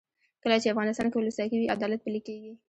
کله چې افغانستان کې ولسواکي وي عدالت پلی کیږي.